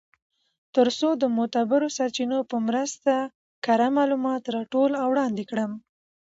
تر څو د معتبرو سرچینو په مرسته کره معلومات راټول او وړاندی کړم .